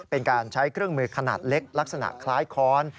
เป็นการใช้เครื่องมือขนาดเล็กลักษณะคล้ายค้อน